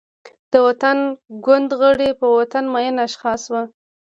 د وطن ګوند غړي، په وطن مین اشخاص وو.